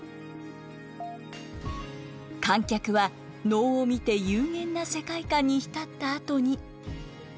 観客は能を見て幽玄な世界観に浸ったあとに。